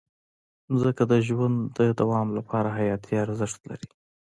مځکه د ژوند د دوام لپاره حیاتي ارزښت لري.